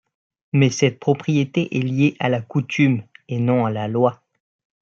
Mais cette propriété est liée à la coutume et non à la loi.